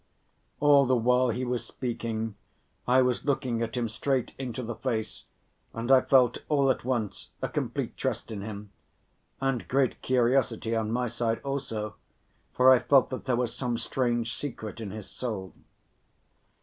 All the while he was speaking, I was looking at him straight into the face and I felt all at once a complete trust in him and great curiosity on my side also, for I felt that there was some strange secret in his soul.